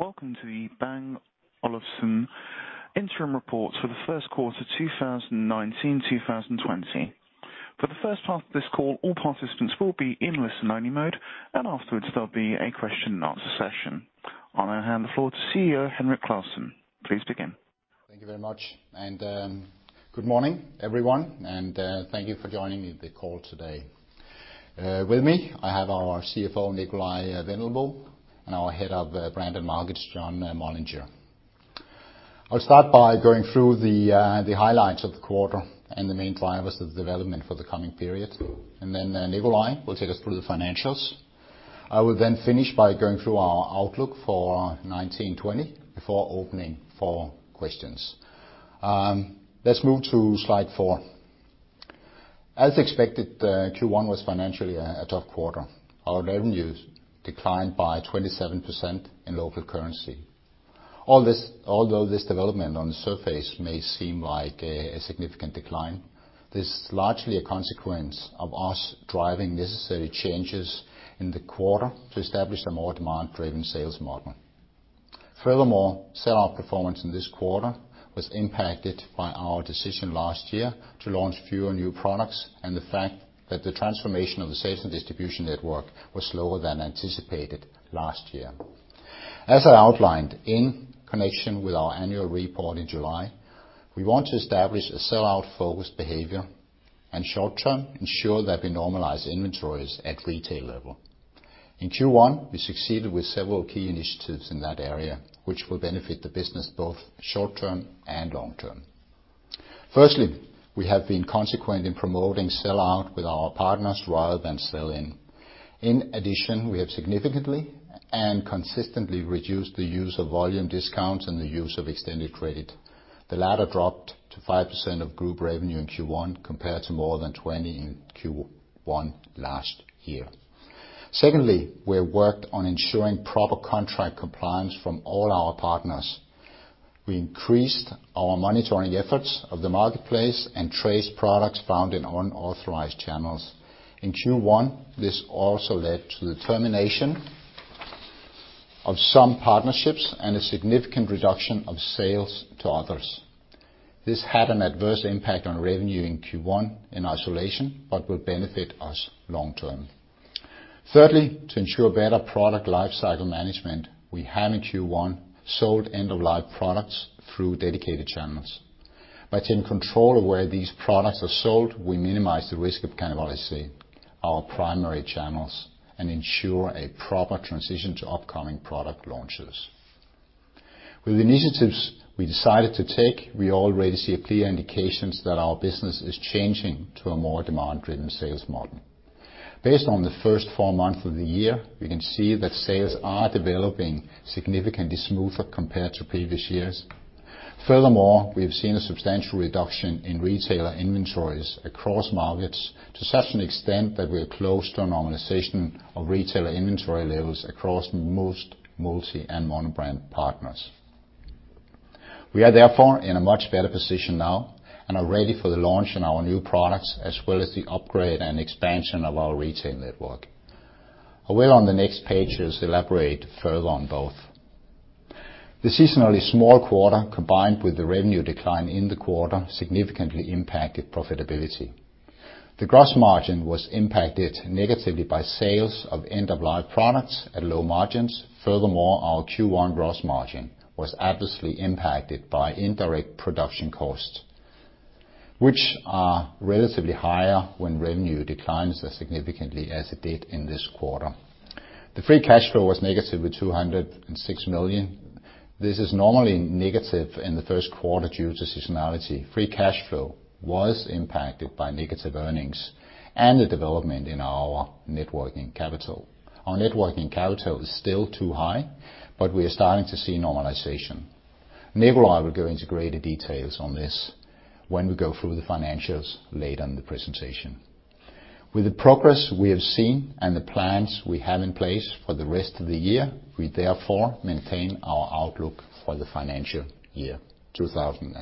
Welcome to the Bang & Olufsen Interim Reports for the Q1 2019-2020. For the first part of this call, all participants will be in listen-only mode, and afterwards there'll be a question-and-answer session. I'll now hand the floor to CEO Henrik Clausen. Please begin. Thank you very much. Good morning, everyone, and thank you for joining me on the call today. With me, I have our CFO, Nikolaj Wendelboe, and our Head of Brand and Markets, John Mollanger. I'll start by going through the highlights of the quarter and the main drivers of development for the coming period, and then, Nikolaj will take us through the financials. I will then finish by going through our outlook for 2019/2020 before opening for questions. Let's move to slide four. As expected, Q1 was financially a tough quarter. Our revenues declined by 27% in local currency. All this although this development on the surface may seem like a significant decline, this is largely a consequence of us driving necessary changes in the quarter to establish a more demand-driven sales model. Furthermore, sell-out performance in this quarter was impacted by our decision last year to launch fewer new products and the fact that the transformation of the sales and distribution network was slower than anticipated last year. As I outlined in connection with our annual report in July, we want to establish a sell-out-focused behavior and short-term ensure that we normalize inventories at retail level. In Q1, we succeeded with several key initiatives in that area, which will benefit the business both short-term and long-term. Firstly, we have been consequent in promoting sell-out with our partners rather than sell-in. In addition, we have significantly and consistently reduced the use of volume discounts and the use of extended credit. The latter dropped to 5% of group revenue in Q1 compared to more than 20% in Q1 last year. Secondly, we have worked on ensuring proper contract compliance from all our partners. We increased our monitoring efforts of the marketplace and traced products found in unauthorized channels. In Q1, this also led to the termination of some partnerships and a significant reduction of sales to others. This had an adverse impact on revenue in Q1 in isolation but will benefit us long-term. Thirdly, to ensure better product lifecycle management, we have in Q1 sold end-of-life products through dedicated channels. By taking control of where these products are sold, we minimize the risk of cannibalism, our primary channels, and ensure a proper transition to upcoming product launches. With the initiatives we decided to take, we already see clear indications that our business is changing to a more demand-driven sales model. Based on the first four months of the year, we can see that sales are developing significantly smoother compared to previous years. Furthermore, we have seen a substantial reduction in retailer inventories across markets to such an extent that we are close to a normalization of retailer inventory levels across most multi- and monobrand partners. We are therefore in a much better position now and are ready for the launch of our new products as well as the upgrade and expansion of our retail network. I will on the next pages elaborate further on both. The seasonally small quarter, combined with the revenue decline in the quarter, significantly impacted profitability. The gross margin was impacted negatively by sales of end-of-life products at low margins. Furthermore, our Q1 gross margin was adversely impacted by indirect production costs, which are relatively higher when revenue declines as significantly as it did in this quarter. The free cash flow was negative at 206 million. This is normally negative in the Q1 due to seasonality. Free cash flow was impacted by negative earnings and the development in our net working capital. Our net working capital is still too high, but we are starting to see normalization. Nikolaj will go into greater details on this when we go through the financials later in the presentation. With the progress we have seen and the plans we have in place for the rest of the year, we therefore maintain our outlook for the financial year 2019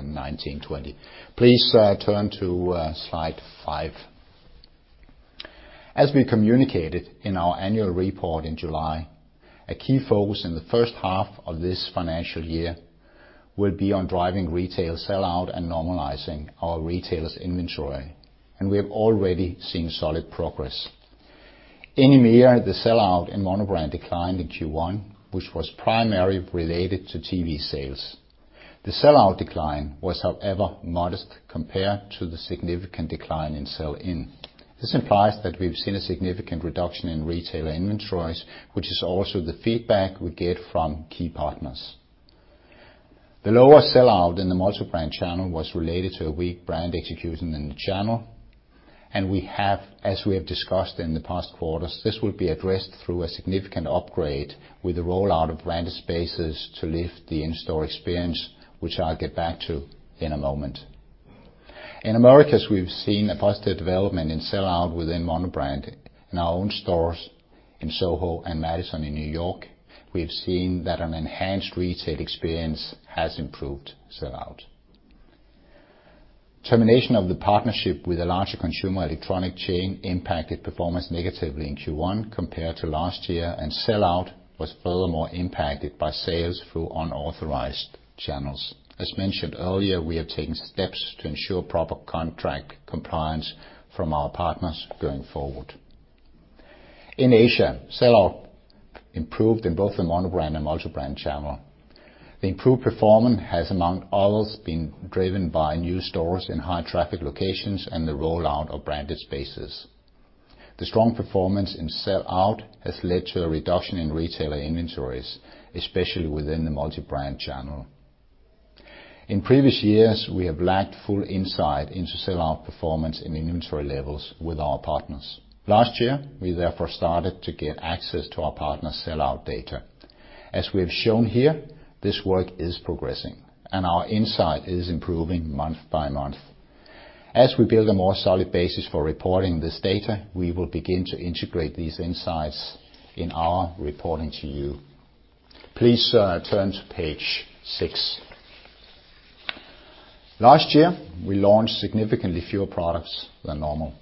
and 2020. Please turn to slide five. As we communicated in our annual report in July, a key focus in the first half of this financial year will be on driving retail sell-out and normalizing our retailers' inventory, and we have already seen solid progress. In EMEA, the sell-out and monobrand declined in Q1, which was primarily related to TV sales. The sell-out decline was, however, modest compared to the significant decline in sell-in. This implies that we've seen a significant reduction in retailer inventories, which is also the feedback we get from key partners. The lower sell-out in the multibrand channel was related to a weak brand execution in the channel, and we have, as we have discussed in the past quarters, this will be addressed through a significant upgrade with the rollout of branded spaces to lift the in-store experience, which I'll get back to in a moment. In the Americas, as we've seen a positive development in sell-out within monobrand in our own stores in Soho and Madison in New York, we have seen that an enhanced retail experience has improved sell-out. Termination of the partnership with a larger consumer electronics chain impacted performance negatively in Q1 compared to last year, and sell-out was furthermore impacted by sales through unauthorized channels. As mentioned earlier, we have taken steps to ensure proper contract compliance from our partners going forward. In Asia, sell-out improved in both the monobrand and multi-brand channel. The improved performance has, among others, been driven by new stores in high-traffic locations and the rollout of branded spaces. The strong performance in sell-out has led to a reduction in retailer inventories, especially within the multi-brand channel. In previous years, we have lacked full insight into sell-out performance and inventory levels with our partners. Last year, we therefore started to get access to our partners' sell-out data. As we have shown here, this work is progressing, and our insight is improving month by month. As we build a more solid basis for reporting this data, we will begin to integrate these insights in our reporting to you. Please, turn to page six. Last year, we launched significantly fewer products than normal.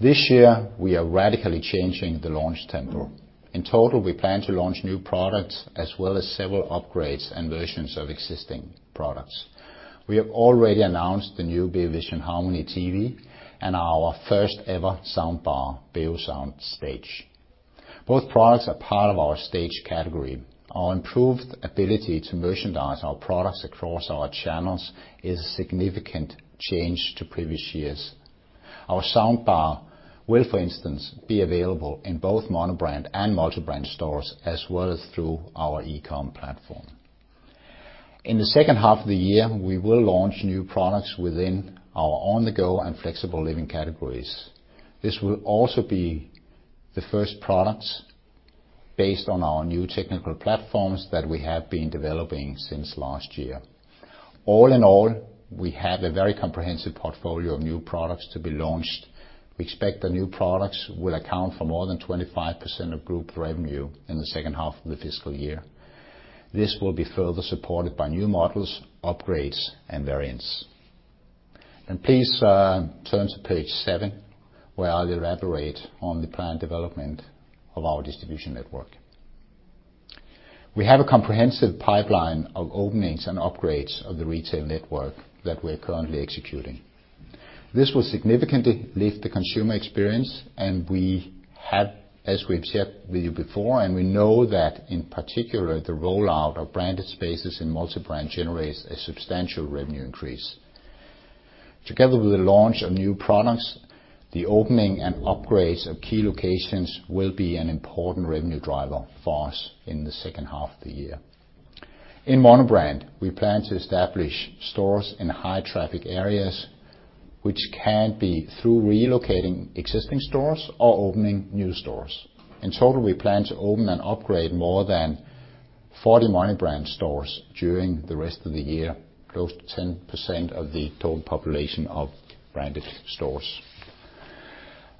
This year, we are radically changing the launch tempo. In total, we plan to launch new products as well as several upgrades and versions of existing products. We have already announced the new Beovision Harmony TV and our first-ever soundbar, Beosound Stage. Both products are part of our Staged category. Our improved ability to merchandise our products across our channels is a significant change to previous years. Our soundbar will, for instance, be available in both monobrand and multibrand stores as well as through our e-commerce platform. In the second half of the year, we will launch new products within our on-the-go and flexible living categories. This will also be the first products based on our new technical platforms that we have been developing since last year. All in all, we have a very comprehensive portfolio of new products to be launched. We expect the new products will account for more than 25% of group revenue in the second half of the fiscal year. This will be further supported by new models, upgrades, and variants. Please, turn to page seven, where I'll elaborate on the planned development of our distribution network. We have a comprehensive pipeline of openings and upgrades of the retail network that we are currently executing. This will significantly lift the consumer experience, and we have as we've said with you before, and we know that in particular the rollout of branded spaces in multi-brand generates a substantial revenue increase. Together with the launch of new products, the opening and upgrades of key locations will be an important revenue driver for us in the second half of the year. In monobrand, we plan to establish stores in high-traffic areas, which can be through relocating existing stores or opening new stores. In total, we plan to open and upgrade more than 40 monobrand stores during the rest of the year, close to 10% of the total population of branded stores.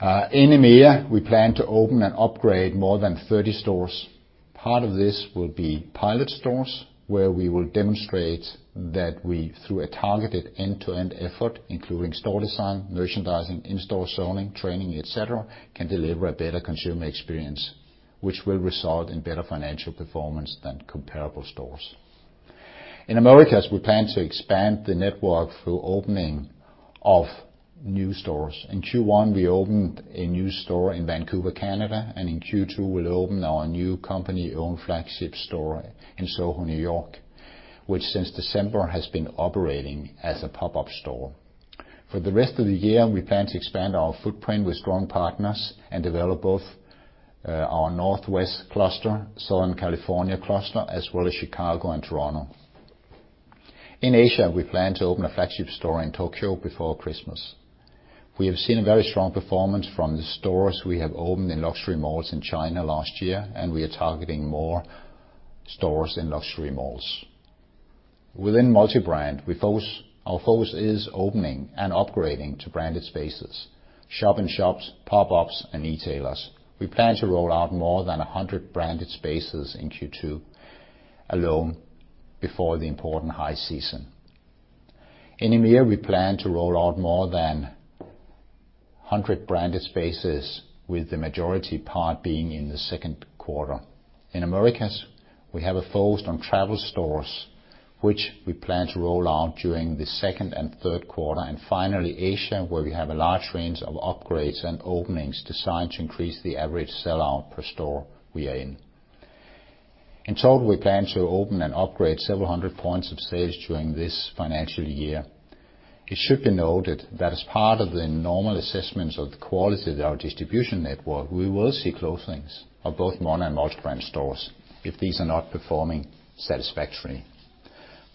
In EMEA, we plan to open and upgrade more than 30 stores. Part of this will be pilot stores where we will demonstrate that we, through a targeted end-to-end effort, including store design, merchandising, in-store zoning, training, etc., can deliver a better consumer experience, which will result in better financial performance than comparable stores. In Americas, as we plan to expand the network through opening of new stores, in Q1 we opened a new store in Vancouver, Canada, and in Q2 we'll open our new company-owned flagship store in Soho, New York, which since December has been operating as a pop-up store. For the rest of the year, we plan to expand our footprint with strong partners and develop both our Northwest cluster, Southern California cluster, as well as Chicago and Toronto. In Asia, we plan to open a flagship store in Tokyo before Christmas. We have seen a very strong performance from the stores we have opened in luxury malls in China last year, and we are targeting more stores in luxury malls. Within multibrand, our focus is opening and upgrading to branded spaces, shop-in-shops, pop-ups, and retailers. We plan to roll out more than 100 branded spaces in Q2 alone before the important high season. In EMEA, we plan to roll out more than 100 branded spaces, with the majority part being in the Q2. In Americas, as we have a focus on travel stores, which we plan to roll out during the second and Q3, and finally Asia, where we have a large range of upgrades and openings designed to increase the average sell-out per store we are in. In total, we plan to open and upgrade several hundred points of sale during this financial year. It should be noted that as part of the normal assessments of the quality of our distribution network, we will see closings of both monobrand and multibrand stores if these are not performing satisfactorily.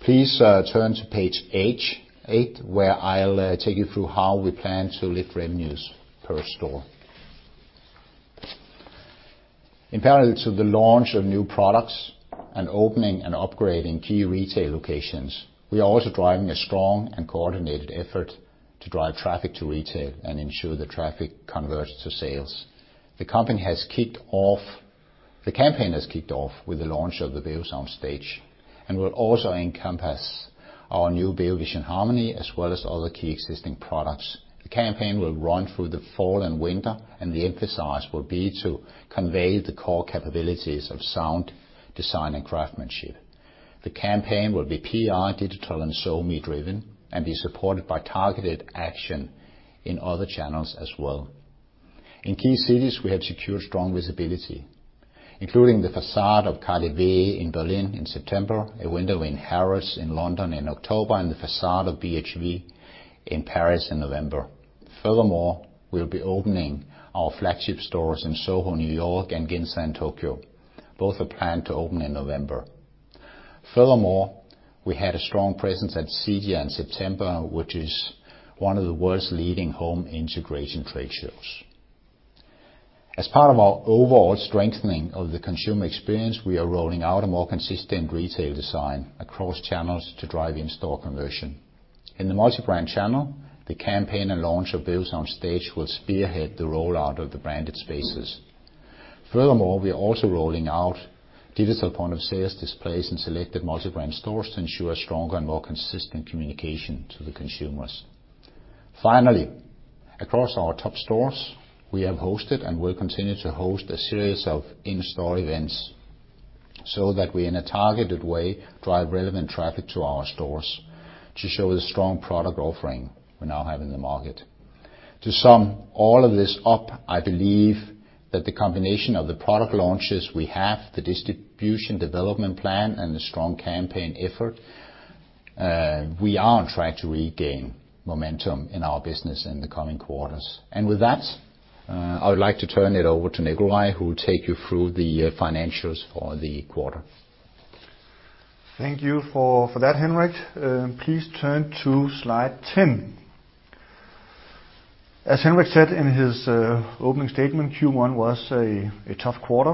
Please turn to page 8, where I'll take you through how we plan to lift revenues per store. In parallel to the launch of new products and opening and upgrading key retail locations, we are also driving a strong and coordinated effort to drive traffic to retail and ensure that traffic converts to sales. The company has kicked off the campaign with the launch of the Beosound Stage and will also encompass our new Beovision Harmony as well as other key existing products. The campaign will run through the fall and winter, and the emphasis will be to convey the core capabilities of sound, design, and craftsmanship. The campaign will be PR, digital, and SoMe driven and be supported by targeted action in other channels as well. In key cities, we have secured strong visibility, including the façade of KaDeWe in Berlin in September, a window in Harrods in London in October, and the façade of BHV in Paris in November. Furthermore, we'll be opening our flagship stores in Soho, New York, and Ginza in Tokyo, both are planned to open in November. Furthermore, we had a strong presence at CEDIA in September, which is one of the world's leading home integration trade shows. As part of our overall strengthening of the consumer experience, we are rolling out a more consistent retail design across channels to drive in-store conversion. In the multi-brand channel, the campaign and launch of Beosound Stage will spearhead the rollout of the branded spaces. Furthermore, we are also rolling out digital point-of-sales displays in selected multi-brand stores to ensure stronger and more consistent communication to the consumers. Finally, across our top stores, we have hosted and will continue to host a series of in-store events so that we, in a targeted way, drive relevant traffic to our stores to show the strong product offering we now have in the market. To sum all of this up, I believe that the combination of the product launches we have, the distribution development plan, and the strong campaign effort, we are on track to regain momentum in our business in the coming quarters. And with that, I would like to turn it over to Nikolaj, who will take you through the financials for the quarter. Thank you for that, Henrik. Please turn to slide 10. As Henrik said in his opening statement, Q1 was a tough quarter.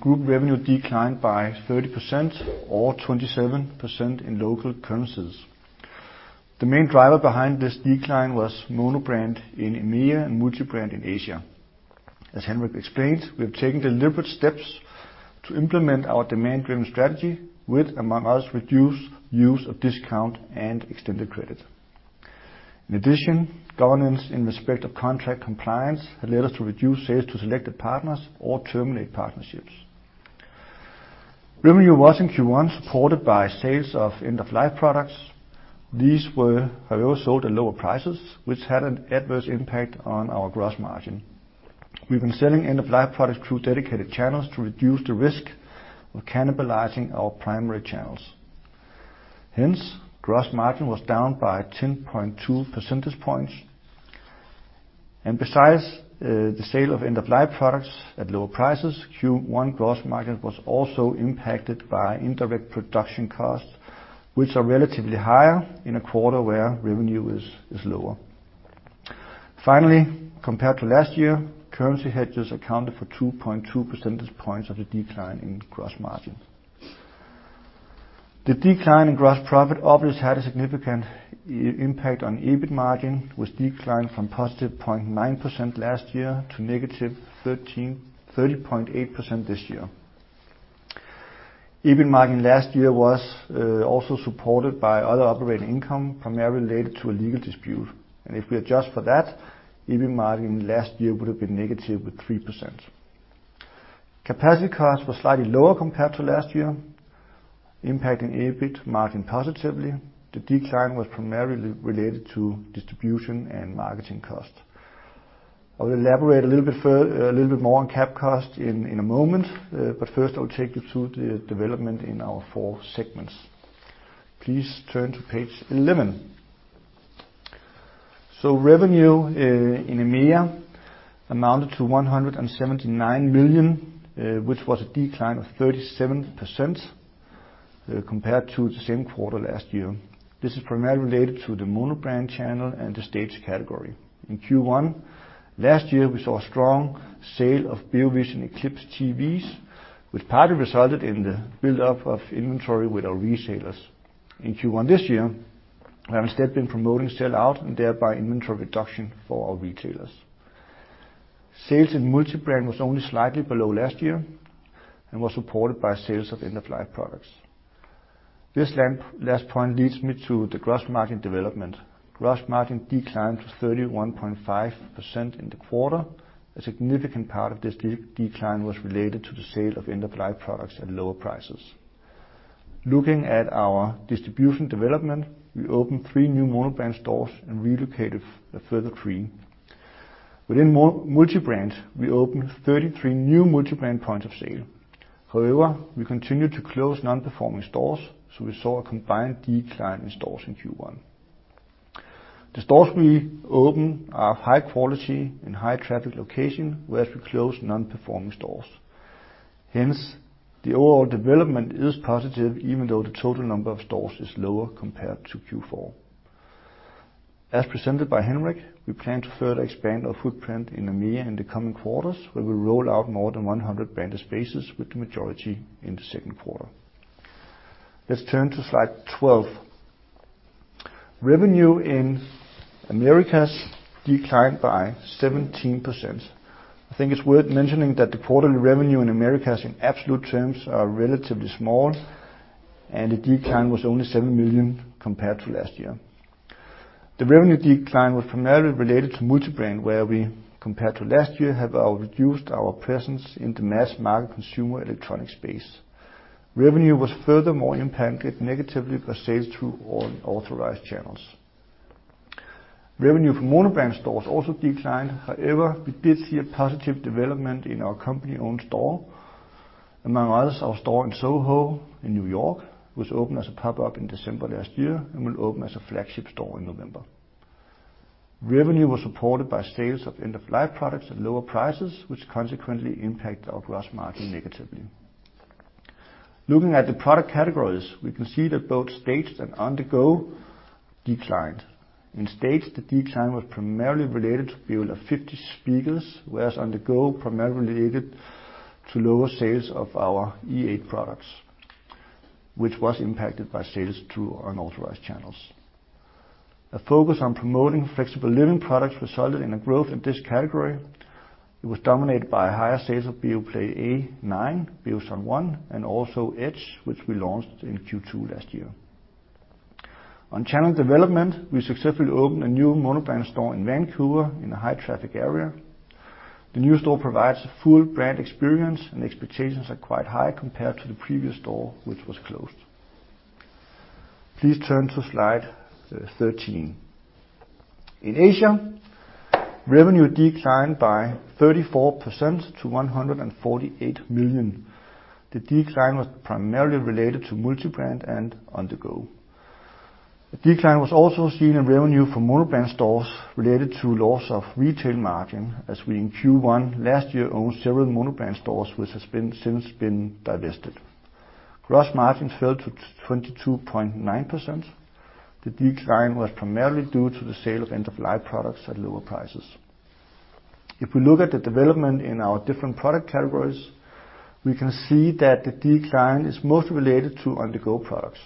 Group revenue declined by 30% or 27% in local currencies. The main driver behind this decline was monobrand in EMEA and multibrand in Asia. As Henrik explained, we have taken deliberate steps to implement our demand-driven strategy with, among others, reduced use of discount and extended credit. In addition, governance in respect of contract compliance has led us to reduce sales to selected partners or terminate partnerships. Revenue was in Q1 supported by sales of end-of-life products. These were, however, sold at lower prices, which had an adverse impact on our gross margin. We've been selling end-of-life products through dedicated channels to reduce the risk of cannibalizing our primary channels. Hence, gross margin was down by 10.2 percentage points. Besides, the sale of end-of-life products at lower prices, Q1 gross margin was also impacted by indirect production costs, which are relatively higher in a quarter where revenue is lower. Finally, compared to last year, currency hedges accounted for 2.2% points of the decline in gross margin. The decline in gross profit obviously had a significant impact on EBIT margin, which declined from positive 0.9% last year to negative 13.8% this year. EBIT margin last year was also supported by other operating income, primarily related to a legal dispute. And if we adjust for that, EBIT margin last year would have been negative with 3%. Capacity costs were slightly lower compared to last year, impacting EBIT margin positively. The decline was primarily related to distribution and marketing costs. I will elaborate a little bit further a little bit more on CapEx in a moment, but first I will take you through the development in our four segments. Please turn to page 11. So revenue in EMEA amounted to 179 million, which was a decline of 37%, compared to the same quarter last year. This is primarily related to the monobrand channel and the Stage category. In Q1 last year, we saw a strong sale of Beovision Eclipse TVs, which partly resulted in the buildup of inventory with our retailers. In Q1 this year, we have instead been promoting sell-out and thereby inventory reduction for our retailers. Sales in multi-brand was only slightly below last year and was supported by sales of end-of-life products. This last point leads me to the gross margin development. Gross margin declined to 31.5% in the quarter. A significant part of this decline was related to the sale of end-of-life products at lower prices. Looking at our distribution development, we opened three new monobrand stores and relocated a further three. Within multi-brand, we opened 33 new multi-brand points of sale. However, we continued to close non-performing stores, so we saw a combined decline in stores in Q1. The stores we opened are of high quality in high-traffic locations, whereas we closed non-performing stores. Hence, the overall development is positive even though the total number of stores is lower compared to Q4. As presented by Henrik, we plan to further expand our footprint in EMEA in the coming quarters, where we'll roll out more than 100 branded spaces, with the majority in the Q2. Let's turn to slide 12. Revenue in Americas declined by 17%. I think it's worth mentioning that the quarterly revenue in Americas, in absolute terms, are relatively small, and the decline was only 7 million compared to last year. The revenue decline was primarily related to multibrand, where we, compared to last year, have reduced our presence in the mass market consumer electronics space. Revenue was furthermore impacted negatively by sales through unauthorized channels. Revenue from monobrand stores also declined. However, we did see a positive development in our company-owned store, among others, our store in Soho, in New York, which opened as a pop-up in December last year and will open as a flagship store in November. Revenue was supported by sales of end-of-life products at lower prices, which consequently impacted our gross margin negatively. Looking at the product categories, we can see that both Stage and On-the-go declined. In Stage, the decline was primarily related to the Beolab 50 speakers, whereas On-the-go primarily related to lower sales of our E8 products, which was impacted by sales through unauthorized channels. A focus on promoting Flexible Living products resulted in a growth in this category. It was dominated by higher sales of Beoplay A9, Beosound 1, and also Edge, which we launched in Q2 last year. On channel development, we successfully opened a new monobrand store in Vancouver in a high-traffic area. The new store provides a full brand experience, and expectations are quite high compared to the previous store, which was closed. Please turn to slide 13. In Asia, revenue declined by 34% to 148 million. The decline was primarily related to Multibrand and On-the-go. A decline was also seen in revenue from monobrand stores related to loss of retail margin, as we, in Q1 last year, owned several monobrand stores which have since been divested. Gross margins fell to 22.9%. The decline was primarily due to the sale of end-of-life products at lower prices. If we look at the development in our different product categories, we can see that the decline is mostly related to on-the-go products.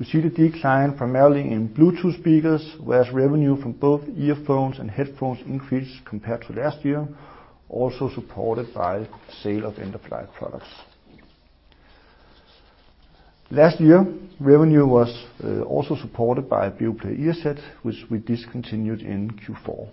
We see the decline primarily in Bluetooth speakers, whereas revenue from both earphones and headphones increased compared to last year, also supported by the sale of end-of-life products. Last year, revenue was also supported by Beoplay Earset, which we discontinued in Q4.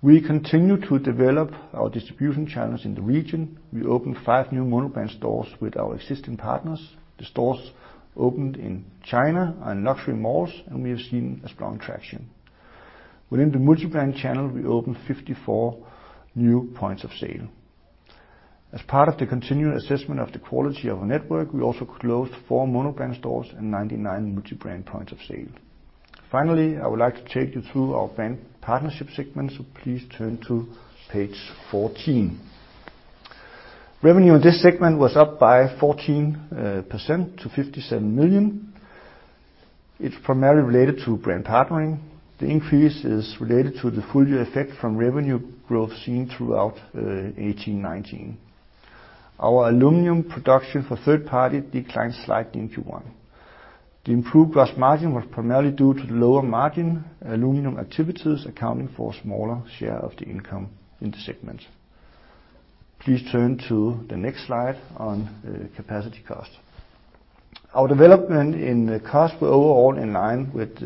We continue to develop our distribution channels in the region. We opened 5 new monobrand stores with our existing partners. The stores opened in China and luxury malls, and we have seen a strong traction. Within the multibrand channel, we opened 54 new points of sale. As part of the continued assessment of the quality of our network, we also closed four monobrand stores and 99 multibrand points of sale. Finally, I would like to take you through our brand partnership segment, so please turn to page 14. Revenue in this segment was up by 14% to 57 million. It's primarily related to brand partnering. The increase is related to the full-year effect from revenue growth seen throughout 2018-2019. Our aluminum production for third-party declined slightly in Q1. The improved gross margin was primarily due to the lower margin aluminum activities, accounting for a smaller share of the income in the segment. Please turn to the next slide on capacity cost. Our development in costs were overall in line with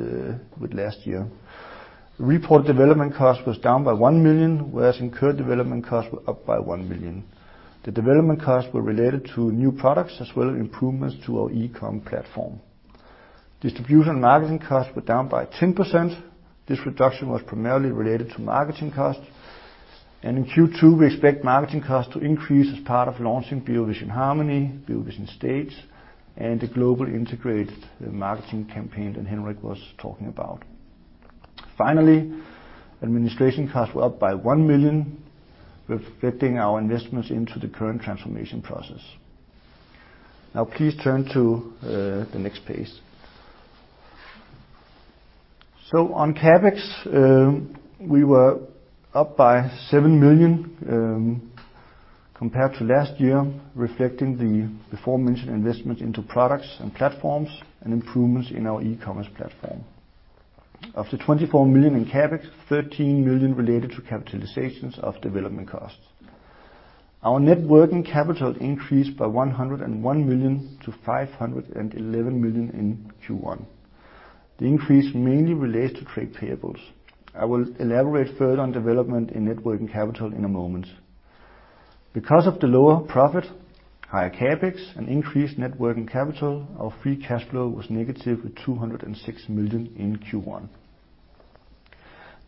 last year. Reported development costs were down by 1 million, whereas incurred development costs were up by 1 million. The development costs were related to new products as well as improvements to our e-com platform. Distribution and marketing costs were down by 10%. This reduction was primarily related to marketing costs. In Q2, we expect marketing costs to increase as part of launching Beovision Harmony, Beosound Stage, and the global integrated marketing campaign that Henrik was talking about. Finally, administration costs were up by 1 million, reflecting our investments into the current transformation process. Now, please turn to the next page. On CapEx, we were up by 7 million, compared to last year, reflecting the before-mentioned investments into products and platforms and improvements in our e-commerce platform. Of the 24 million in CapEx, 13 million related to capitalizations of development costs. Our net working capital increased by 101 million to 511 million in Q1. The increase mainly relates to trade payables. I will elaborate further on development in net working capital in a moment. Because of the lower profit, higher CapEx, and increased net working capital, our free cash flow was negative with 206 million in Q1.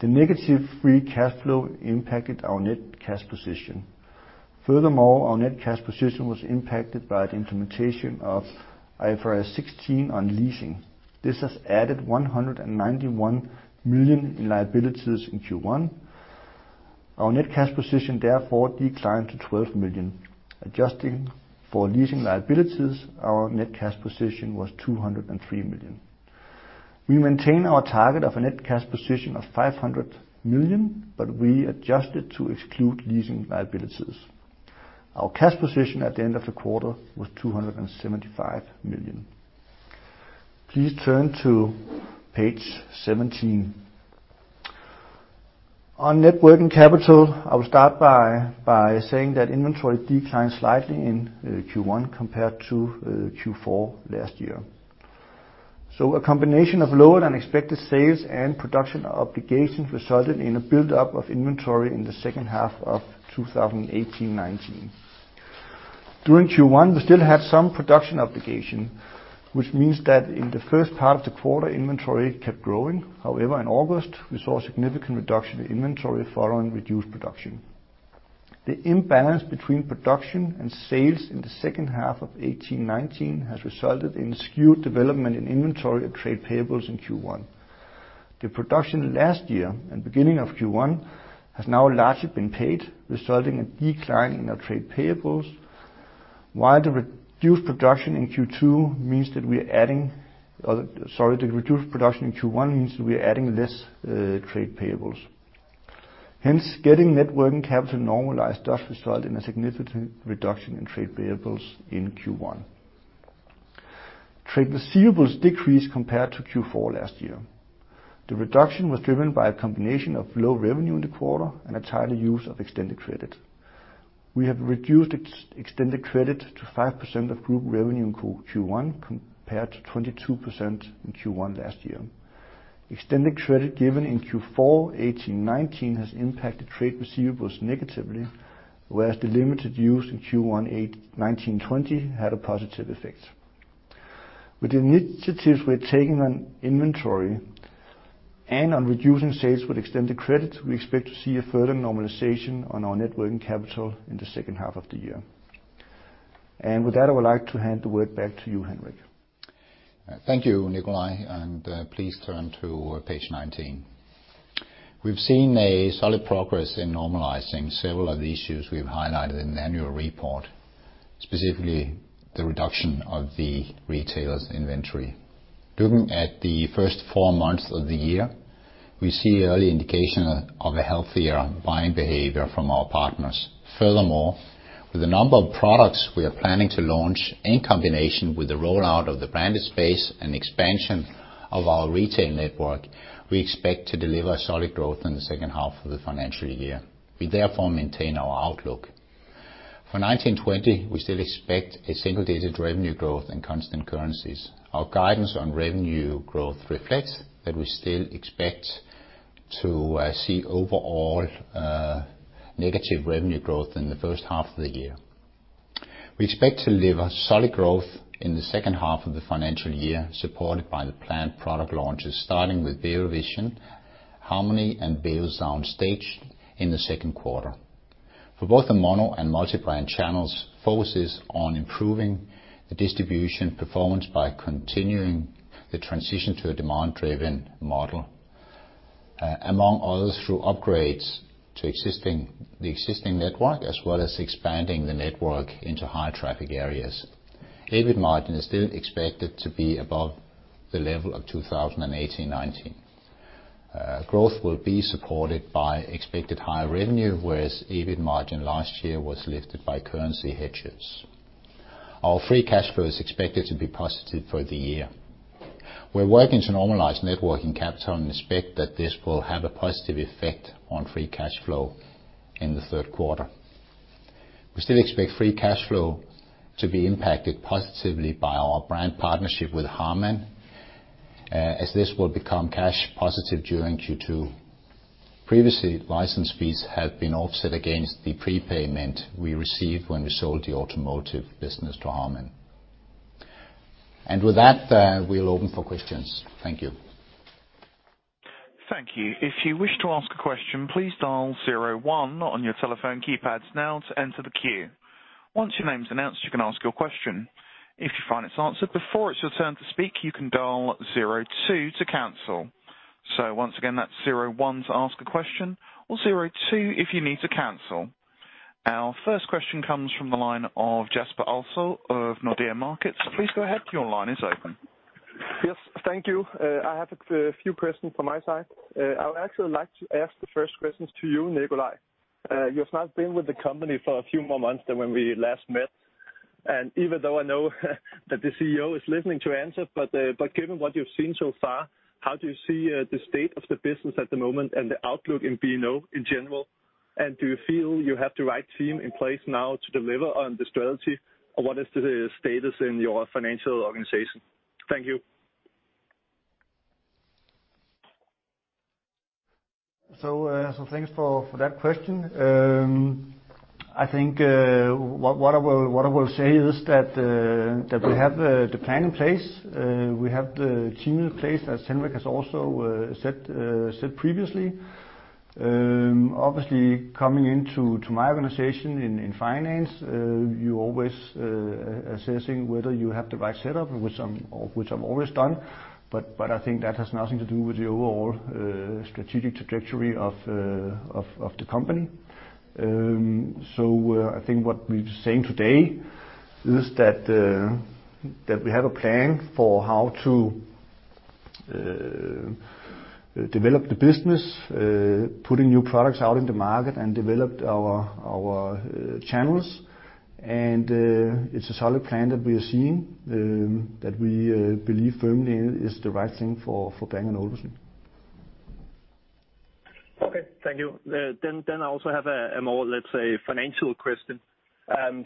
The negative free cash flow impacted our net cash position. Furthermore, our net cash position was impacted by the implementation of IFRS 16 on leasing. This has added 191 million in liabilities in Q1. Our net cash position, therefore, declined to 12 million. Adjusting for leasing liabilities, our net cash position was 203 million. We maintain our target of a net cash position of 500 million, but we adjusted to exclude leasing liabilities. Our cash position at the end of the quarter was 275 million. Please turn to page 17. On net working capital, I will start by saying that inventory declined slightly in Q1 compared to Q4 last year. So a combination of lower than expected sales and production obligations resulted in a buildup of inventory in the second half of 2018-2019. During Q1, we still had some production obligation, which means that in the first part of the quarter, inventory kept growing. However, in August, we saw a significant reduction in inventory following reduced production. The imbalance between production and sales in the second half of 2018-2019 has resulted in skewed development in inventory at trade payables in Q1. The production last year and beginning of Q1 has now largely been paid, resulting in a decline in our trade payables, while the reduced production in Q1 means that we are adding less trade payables. Hence, getting net working capital normalized does result in a significant reduction in trade payables in Q1. Trade receivables decreased compared to Q4 last year. The reduction was driven by a combination of low revenue in the quarter and a tighter use of extended credit. We have reduced extended credit to 5% of group revenue in Q1 compared to 22% in Q1 last year. Extended credit given in Q4 2018-2019 has impacted trade receivables negatively, whereas the limited use in Q1 2019-2020 had a positive effect. With the initiatives we're taking on inventory and on reducing sales with extended credit, we expect to see a further normalization on our net working capital in the second half of the year. And with that, I would like to hand the word back to you, Henrik. Thank you, Nikolaj. Please turn to page 19. We've seen a solid progress in normalizing several of the issues we've highlighted in the annual report, specifically the reduction of the retailers' inventory. Looking at the first four months of the year, we see early indication of a healthier buying behavior from our partners. Furthermore, with the number of products we are planning to launch in combination with the rollout of the branded space and expansion of our retail network, we expect to deliver solid growth in the second half of the financial year. We therefore maintain our outlook. For 2019-2020, we still expect a single-digit revenue growth in constant currencies. Our guidance on revenue growth reflects that we still expect to see overall negative revenue growth in the first half of the year. We expect to deliver solid growth in the second half of the financial year, supported by the planned product launches, starting with Beovision Harmony and Beosound Stage in the second quarter. For both the mono and multi-brand channels, focus is on improving the distribution performance by continuing the transition to a demand-driven model, among others, through upgrades to the existing network as well as expanding the network into high-traffic areas. EBIT margin is still expected to be above the level of 2018-2019. Growth will be supported by expected higher revenue, whereas EBIT margin last year was lifted by currency hedges. Our free cash flow is expected to be positive for the year. We're working to normalize net working capital and expect that this will have a positive effect on free cash flow in the Q3. We still expect free cash flow to be impacted positively by our brand partnership with Harman, as this will become cash positive during Q2. Previously, license fees have been offset against the prepayment we received when we sold the automotive business to Harman. With that, we'll open for questions. Thank you. Thank you. If you wish to ask a question, please dial zero one on your telephone keypads now to enter the queue. Once your name's announced, you can ask your question. If you find it's answered before it's your turn to speak, you can dial zero two to cancel. So once again, that's zero one to ask a question or zero two if you need to cancel. Our first question comes from the line of Jesper Ulsø of Nordea Markets. Please go ahead. Your line is open. Yes. Thank you. I have a few questions from my side. I would actually like to ask the first questions to you, Nikolaj. You have not been with the company for a few more months than when we last met. Even though I know that the CEO is listening to answers, but given what you've seen so far, how do you see the state of the business at the moment and the outlook in B&O in general? And do you feel you have the right team in place now to deliver on this strategy, or what is the status in your financial organization? Thank you. Thanks for that question. I think what I will say is that we have the plan in place. We have the team in place that Henrik has also said previously. Obviously, coming into my organization in finance, you're always assessing whether you have the right setup, which I've always done. But I think that has nothing to do with the overall strategic trajectory of the company. So I think what we're saying today is that we have a plan for how to develop the business, putting new products out in the market, and developed our channels. And it's a solid plan that we are seeing, that we believe firmly in is the right thing for Bang & Olufsen. Okay. Thank you. Then I also have a more, let's say, financial question.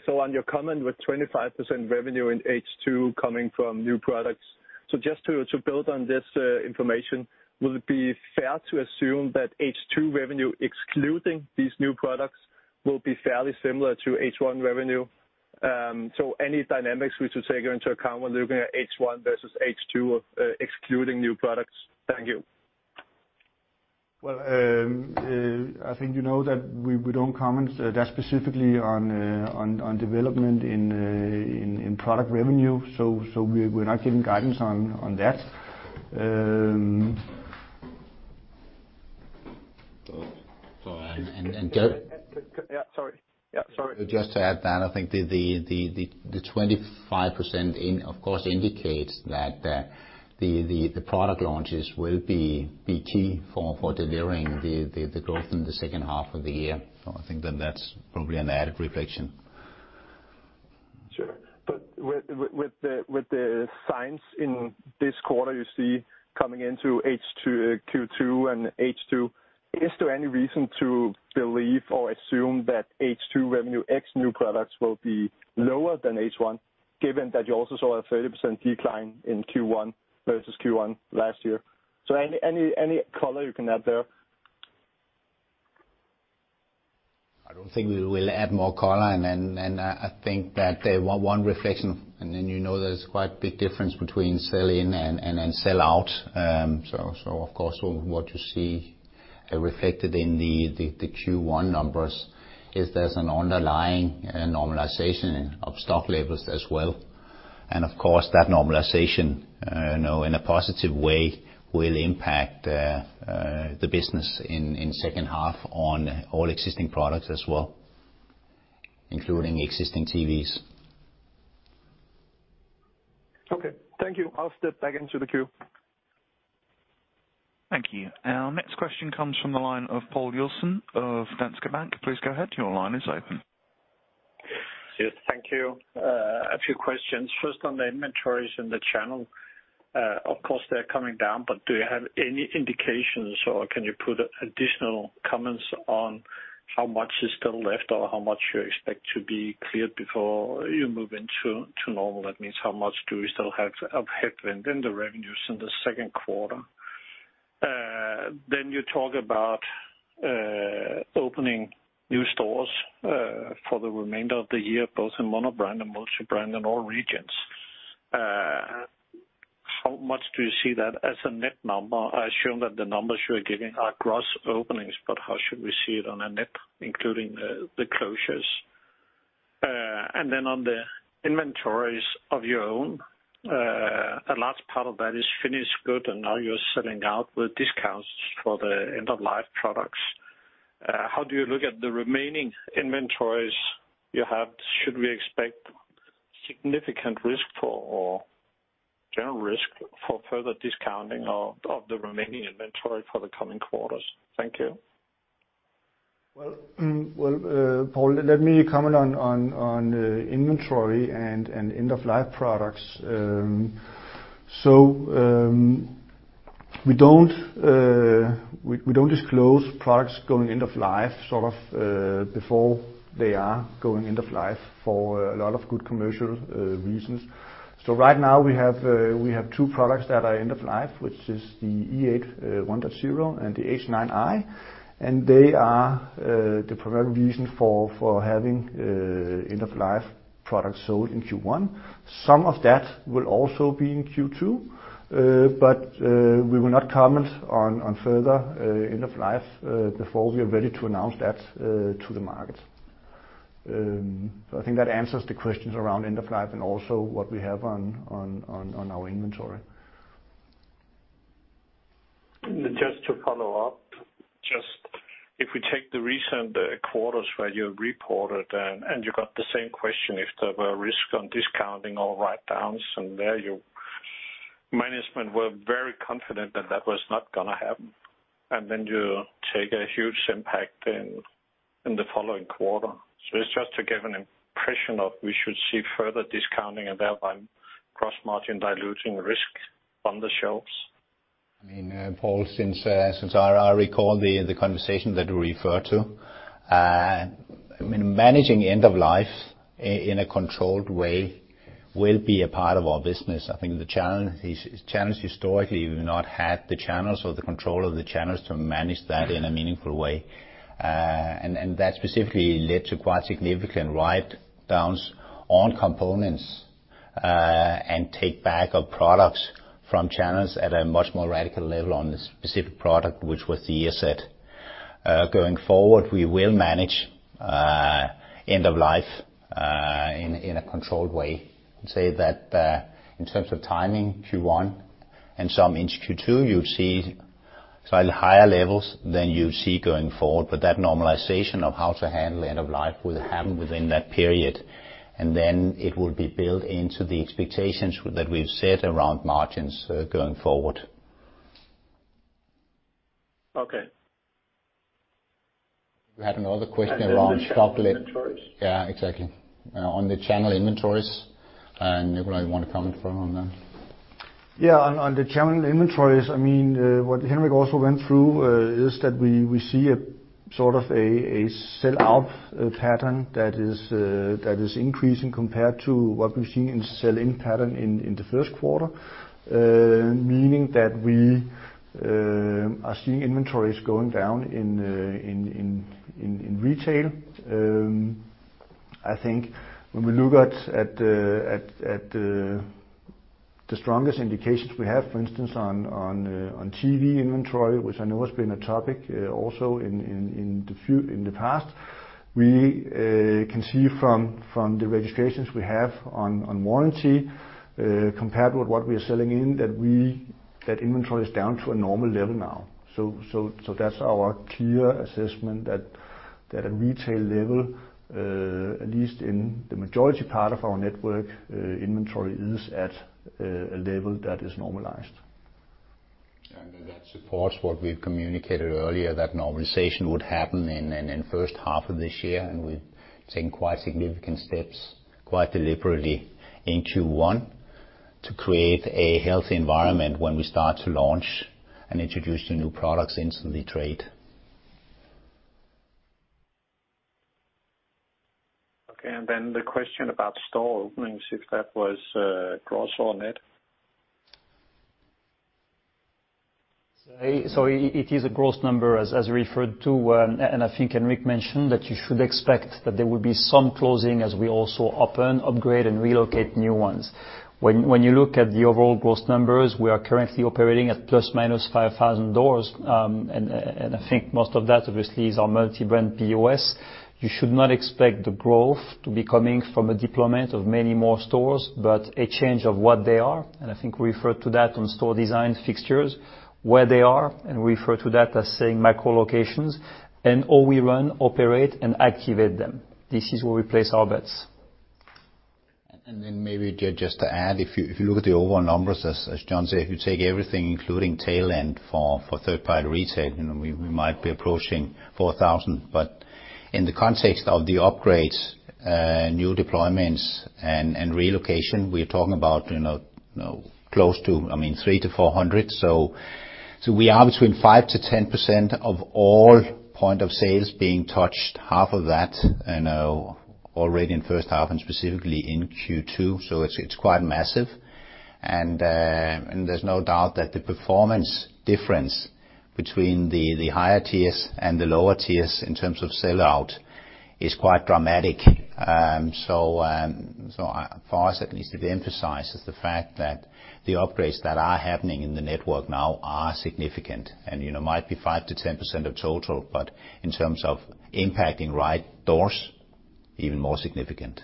So on your comment with 25% revenue in H2 coming from new products, so just to build on this information, would it be fair to assume that H2 revenue excluding these new products will be fairly similar to H1 revenue? So any dynamics we should take into account when looking at H1 versus H2 excluding new products? Thank you. Well, I think you know that we don't comment that specifically on development in product revenue. So we're not giving guidance on that. And yeah. Sorry. Yeah. Sorry. Just to add that, I think the 25%, of course, indicates that the product launches will be key for delivering the growth in the second half of the year. So I think then that's probably an added reflection. Sure. But with the signs in this quarter you see coming into Q2 and H2, is there any reason to believe or assume that H2 revenue X new products will be lower than H1, given that you also saw a 30% decline in Q1 versus Q1 last year? So any color you can add there? I don't think we will add more color. And I think that one reflection, and then you know there's quite a big difference between sell-in and sell-out. So of course, what you see reflected in the Q1 numbers is there's an underlying normalization of stock levels as well. And of course, that normalization in a positive way will impact the business in second half on all existing products as well, including existing TVs. Okay. Thank you. I'll step back into the queue. Thank you. Our next question comes from the line of Poul Jessen of Danske Bank. Please go ahead. Your line is open. Yes. Thank you. A few questions. First, on the inventories in the channel, of course, they're coming down. But do you have any indications, or can you put additional comments on how much is still left or how much you expect to be cleared before you move into normal? That means how much do we still have headwind in the revenues in the Q2? Then you talk about opening new stores for the remainder of the year, both in monobrand and multibrand and all regions. How much do you see that as a net number? Assume that the numbers you are giving are gross openings, but how should we see it on a net, including the closures? And then on the inventories of your own, a large part of that is finished goods, and now you're selling out with discounts for the end-of-life products. How do you look at the remaining inventories you have? Should we expect significant risk or general risk for further discounting of the remaining inventory for the coming quarters? Thank you. Well, Poul, let me comment on inventory and end-of-life products. So we don't disclose products going end-of-life sort of before they are going end-of-life for a lot of good commercial reasons. So right now, we have two products that are end-of-life, which is the E8 1.0 and the H9i. They are the primary reason for having end-of-life products sold in Q1. Some of that will also be in Q2, but we will not comment on further end-of-life before we are ready to announce that to the market. So I think that answers the questions around end-of-life and also what we have on our inventory. Just to follow up, just if we take the recent quarters where you reported and you got the same question if there were risk on discounting or write-downs, and there your management were very confident that that was not going to happen, and then you take a huge impact in the following quarter. So it's just to give an impression of we should see further discounting and thereby gross margin-diluting risk on the shelves. I mean, Poul, since I recall the conversation that you referred to, managing end-of-life in a controlled way will be a part of our business. I think the challenge historically, we've not had the channels or the control of the channels to manage that in a meaningful way. And that specifically led to quite significant write-downs on components and take-back of products from channels at a much more radical level on the specific product, which was the Earset. Going forward, we will manage end-of-life in a controlled way. I'd say that in terms of timing, Q1 and some in Q2, you'd see slightly higher levels than you'd see going forward. But that normalization of how to handle end-of-life will happen within that period. And then it will be built into the expectations that we've set around margins going forward. Okay. You had another question around stock inventories. Yeah. Exactly. On the channel inventories. And Nikolaj, you want to comment further on that? Yeah. On the channel inventories, I mean, what Henrik also went through is that we see a sort of a sell-out pattern that is increasing compared to what we've seen in sell-in pattern in the Q1, meaning that we are seeing inventories going down in retail. I think when we look at the strongest indications we have, for instance, on TV inventory, which I know has been a topic also in the past, we can see from the registrations we have on warranty compared to what we are selling in that inventory is down to a normal level now. So that's our clear assessment that at retail level, at least in the majority part of our network, inventory is at a level that is normalized. Yeah. That supports what we've communicated earlier, that normalization would happen in the first half of this year. We've taken quite significant steps quite deliberately in Q1 to create a healthy environment when we start to launch and introduce new products into the trade. Okay. Then the question about store openings, if that was gross or net? It is a gross number, as referred to. I think Henrik mentioned that you should expect that there will be some closing as we also open, upgrade, and relocate new ones. When you look at the overall gross numbers, we are currently operating at ±5,000 doors. I think most of that, obviously, is our multibrand POS. You should not expect the growth to be coming from a deployment of many more stores but a change of what they are. I think we referred to that on store design fixtures, where they are. We refer to that as saying microlocations. And all we run, operate, and activate them. This is where we place our bets. Then maybe just to add, if you look at the overall numbers, as John said, if you take everything including tail end for third-party retail, we might be approaching 4,000. But in the context of the upgrades, new deployments, and relocation, we're talking about close to, I mean, 300 to 400. So we are between 5% to 10% of all point-of-sales being touched, half of that already in first half and specifically in Q2. So it's quite massive. And there's no doubt that the performance difference between the higher tiers and the lower tiers in terms of sell-out is quite dramatic. So for us, at least, it emphasizes the fact that the upgrades that are happening in the network now are significant and might be 5% to 10% of total. But in terms of impacting right doors, even more significant.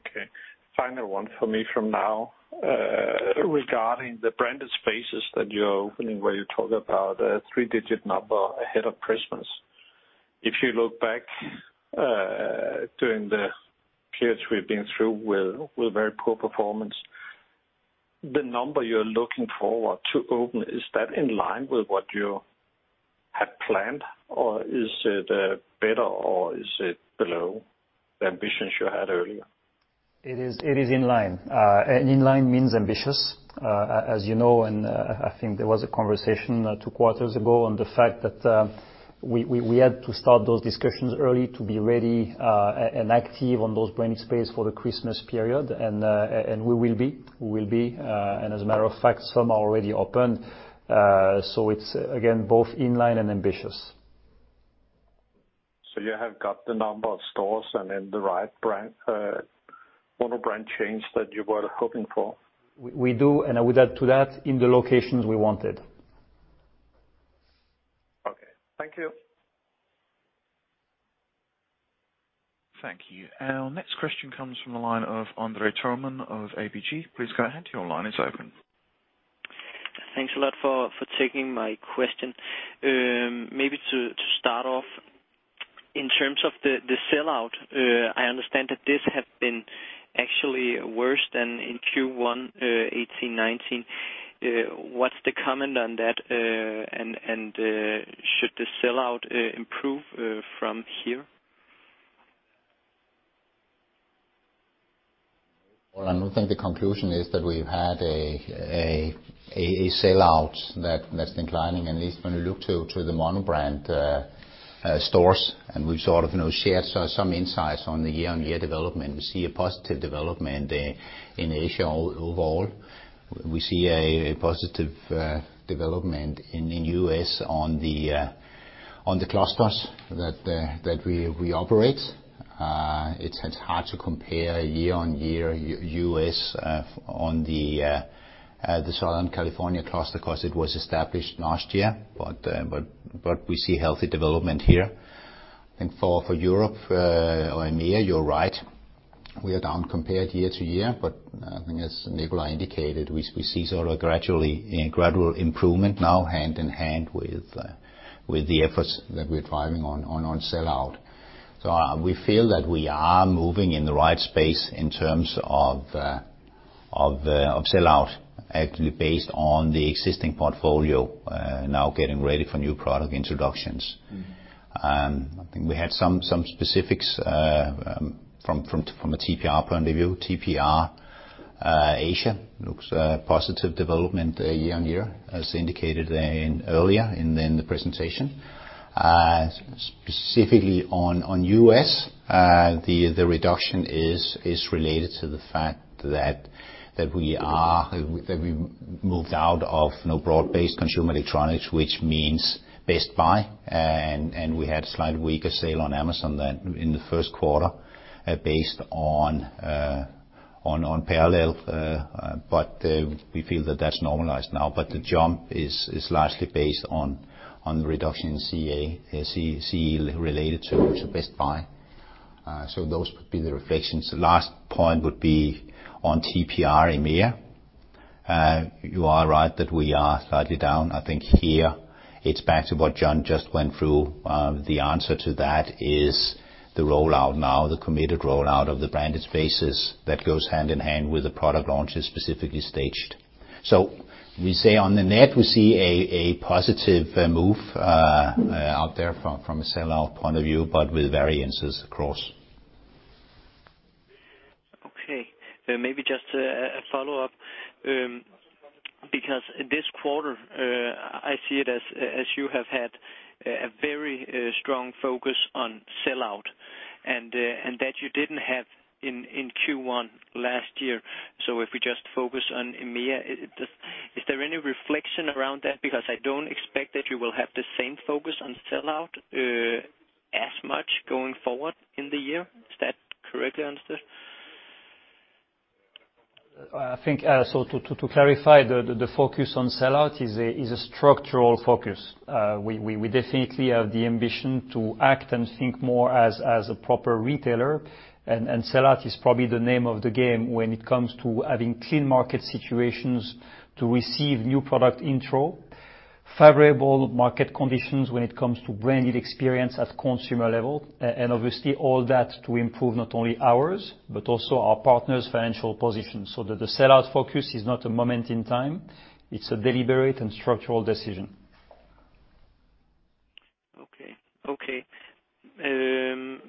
Okay. Final one for me from now regarding the branded spaces that you're opening where you talk about a three-digit number ahead of Christmas. If you look back during the periods we've been through with very poor performance, the number you're looking forward to open, is that in line with what you had planned, or is it better, or is it below the ambitions you had earlier? It is in line. And in line means ambitious. As you know, and I think there was a conversation two quarters ago on the fact that we had to start those discussions early to be ready and active on those branded spaces for the Christmas period. And we will be. We will be. And as a matter of fact, some are already opened. So it's, again, both in line and ambitious. So you have got the number of stores and then the right monobrand change that you were hoping for? We do. And I would add to that, in the locations we wanted. Okay. Thank you. Thank you. Our next question comes from the line of André Thormann of ABG. Please go ahead to your line. It's open. Thanks a lot for taking my question. Maybe to start off, in terms of the sell-out, I understand that this has been actually worse than in Q1 2018, 2019. What's the comment on that? And should the sell-out improve from here? Poul, I don't think the conclusion is that we've had a sell-out that's declining. At least when we look to the monobrand stores and we've sort of shared some insights on the year-on-year development, we see a positive development in Asia overall. We see a positive development in the U.S. on the clusters that we operate. It's hard to compare year-on-year U.S. on the Southern California cluster because it was established last year. But we see healthy development here. For Europe or EMEA, you're right. We are down compared year-to-year. But I think, as Nikolaj indicated, we see sort of a gradual improvement now hand in hand with the efforts that we're driving on sell-out. So we feel that we are moving in the right space in terms of sell-out, actually based on the existing portfolio now getting ready for new product introductions. I think we had some specifics from a TPR point of view. TPR Asia looks positive development year on year, as indicated earlier in the presentation. Specifically on U.S., the reduction is related to the fact that we moved out of broad-based consumer electronics, which means Best Buy. We had a slightly weaker sale on Amazon in the Q1 based on parallel. We feel that that's normalized now. The jump is largely based on the reduction in CE related to Best Buy. Those would be the reflections. The last point would be on TPR EMEA. You are right that we are slightly down. I think here, it's back to what John just went through. The answer to that is the rollout now, the committed rollout of the branded spaces that goes hand in hand with the product launches specifically staged. So we say on the net, we see a positive move out there from a sell-out point of view but with variances across. Okay. Maybe just a follow-up because this quarter, I see it as you have had a very strong focus on sell-out and that you didn't have in Q1 last year. So if we just focus on EMEA, is there any reflection around that? Because I don't expect that you will have the same focus on sell-out as much going forward in the year. Is that correctly understood? I think so. To clarify, the focus on sell-out is a structural focus. We definitely have the ambition to act and think more as a proper retailer. Sell-out is probably the name of the game when it comes to having clean market situations to receive new product intro, favorable market conditions when it comes to branded experience at consumer level. And obviously, all that to improve not only ours but also our partners' financial position. So the sell-out focus is not a moment in time. It's a deliberate and structural decision. Okay. Okay.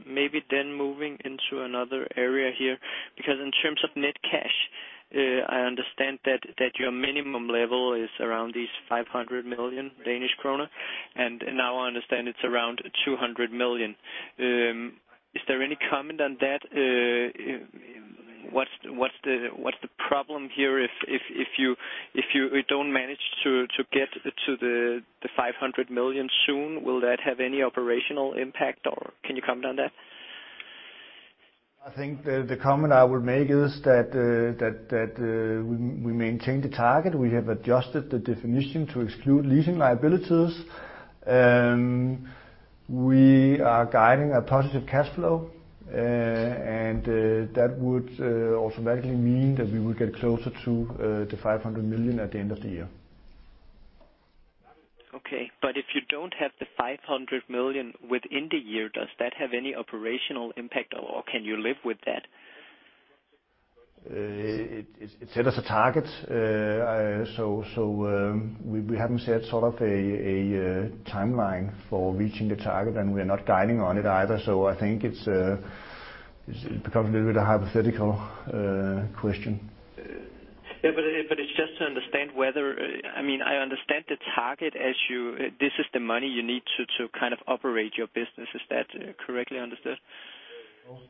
Maybe then moving into another area here because in terms of net cash, I understand that your minimum level is around 500 million Danish kroner. And now I understand it's around 200 million. Is there any comment on that? What's the problem here if you don't manage to get to the 500 million soon? Will that have any operational impact, or can you comment on that? I think the comment I would make is that we maintained the target. We have adjusted the definition to exclude leasing liabilities. We are guiding a positive cash flow. And that would automatically mean that we would get closer to the 500 million at the end of the year. Okay. But if you don't have the 500 million within the year, does that have any operational impact, or can you live with that? It set us a target. So we haven't set sort of a timeline for reaching the target. And we are not guiding on it either. So I think it becomes a little bit a hypothetical question. Yeah. But it's just to understand whether I mean, I understand the target as you this is the money you need to kind of operate your business. Is that correctly understood?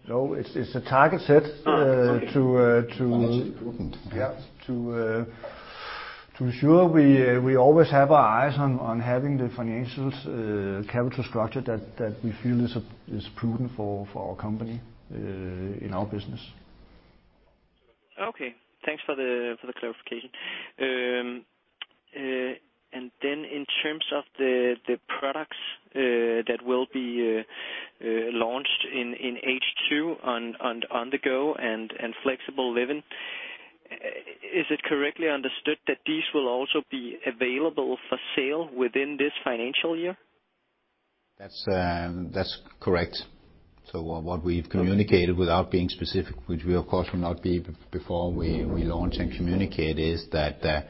No. It's a target set to actually prudent. Yeah. To ensure we always have our eyes on having the financial capital structure that we feel is prudent for our company in our business. Okay. Thanks for the clarification. And then in terms of the products that will be launched in H2 on the go and flexible living, is it correctly understood that these will also be available for sale within this financial year? That's correct. So what we've communicated without being specific, which we, of course, will not be before we launch and communicate, is that